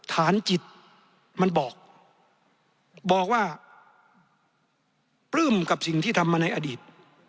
ฐานจิตมันบอกบอกว่าปลื้มกับสิ่งที่ทำมาในอดีต